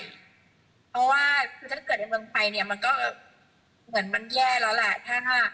เพราะว่าคือถ้าเกิดในเมืองไทยเนี่ยมันก็เหมือนมันแย่แล้วแหละ